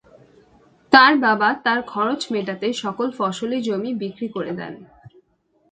তার বাবা তার খরচ মেটাতে সকল ফসলি জমি বিক্রি করে দেন।